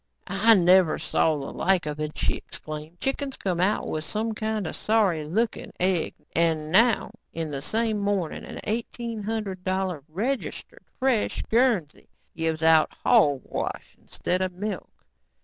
"I never saw the like of it," she exclaimed. "Chickens come out with some kind of sorry looking egg and now, in the same morning, an eighteen hundred dollar registered, fresh Guernsey gives out hogwash instead of milk."